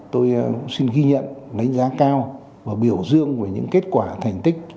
tôi xin ghi nhận đánh giá cao và biểu dương về những kết quả thành tích